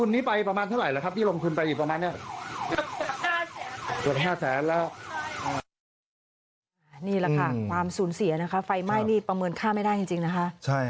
นี่แหละค่ะความสูญเสียนะคะไฟไหม้นี่ประเมินค่าไม่ได้จริงนะคะ